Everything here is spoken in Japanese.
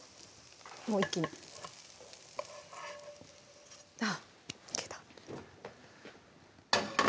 もう一気にあっいけた